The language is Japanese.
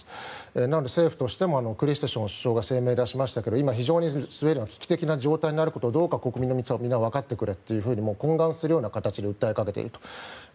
なので政府としてもクリステション首相が声明を出しましたけど今、スウェーデンが危機的な状況にあることをどうか国民のみんな分かってくれと懇願する形で訴えかけていると。